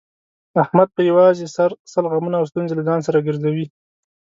احمد په یووازې سر سل غمونه او ستونزې له ځان سره ګرځوي.